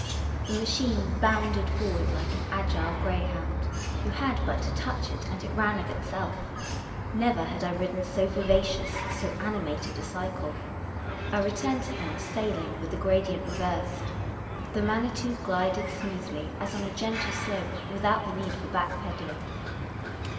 The machine bounded forward like an agile greyhound. You had but to touch it, and it ran of itself. Never had I ridden so vivacious, so ani mated a cycle. I returned to him, sailing, with the gradient reversed. The Manitou glided smoothly, as on a gentle slope, without the need for back pedalling.